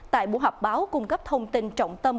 tại buổi họp báo cung cấp thông tin trọng tâm